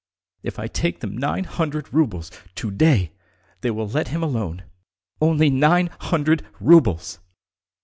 If I take them nine hundred roubles to day they will let him alone. Only nine hundred roubles!"